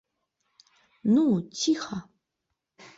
- Ну, цiха!